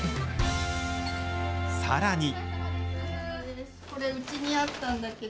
さらに。